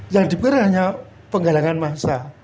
yang di pikirin hanya penggalangan masa